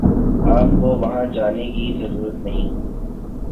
آپ کو وہاں جانے کی ضرورت نہیں